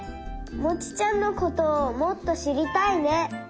「モチちゃんのことをもっとしりたいね」。